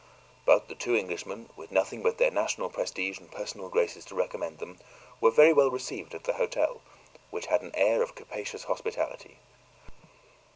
But the two Englishmen, with nothing but their national prestige and personal graces to recommend them, were very well received at the hotel, which had an air of capacious hospitality.